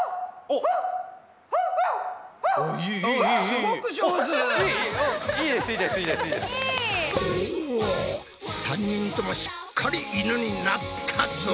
お３人ともしっかりイヌになったぞ！